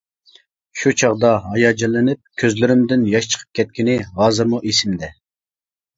شۇ چاغدا ھاياجانلىنىپ، كۆزلىرىمدىن ياش چىقىپ كەتكىنى ھازىرمۇ ئېسىمدە.